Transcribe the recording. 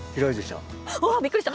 うわっびっくりした！